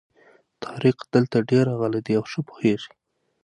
طارق دلته ډېر راغلی دی او ښه پوهېږي.